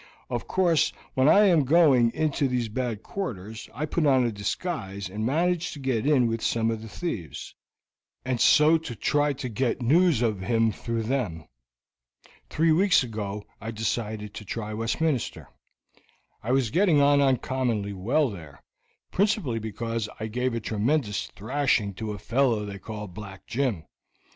Of course, when I am going into these bad quarters, I put on a disguise and manage to get in with some of these thieves, and so to try to get news of him through them. Three weeks ago I decided to try Westminster. I was getting on uncommonly well there, principally because I gave a tremendous thrashing to a fellow they call Black Jim.